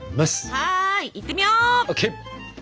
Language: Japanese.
はいいってみよう！ＯＫ！